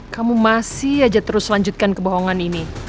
kamu masih aja terus lanjutkan kebohongan ini